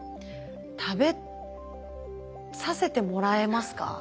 食べさせてもらえますか？